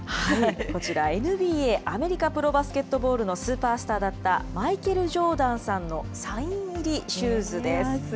こちら、ＮＢＡ・アメリカプロバスケットボールのスーパースターだった、マイケル・ジョーダンさんのサイン入りシューズです。